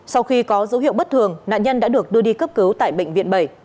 sau khi có dấu hiệu bất thường nạn nhân đã được đưa đi cấp cứu tại bệnh viện bảy